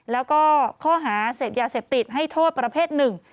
แล้วก็ข้อหาเสพยาเสพติดให้โทษประเภทหนึ่ง